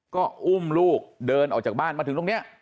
ก็อุ้มลูกเดินออกจากบ้านมาถึงตรงนี้